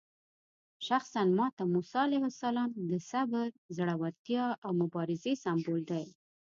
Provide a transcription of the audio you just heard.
شخصاً ماته موسی علیه السلام د صبر، زړورتیا او مبارزې سمبول دی.